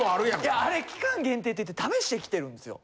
いやあれ期間限定って言って試してきてるんですよ。